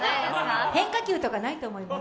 変化球とかないと思います。